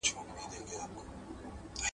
د ملکیت حق د انسان وقار ساتي.